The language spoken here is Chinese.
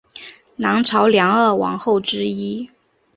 南朝梁二王后之一。